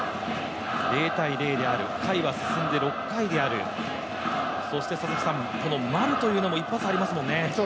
０−０である回は進んで６回であるそして、この丸というのも一発ありますもんね。